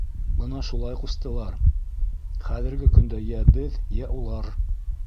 — Бына шулай, ҡустылар, хәҙерге көндә йә беҙ, йә улар...